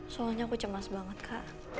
soalnya aku cemas banget kak